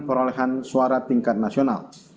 perolehan suara tingkat nasional